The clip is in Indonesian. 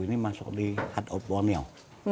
ini masuk di hat o'ponyo